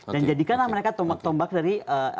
dan jadikanlah mereka tombak tombak dari